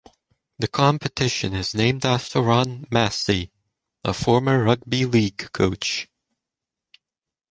The competition is named after Ron Massey, a former rugby league coach.